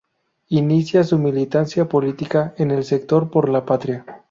Inicia su militancia política en el sector Por la Patria.